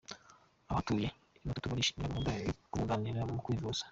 Abatuye i Mututu barishimira gahunda yo kubunganira mu kwivuza